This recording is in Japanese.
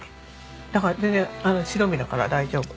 だから全然白身だから大丈夫。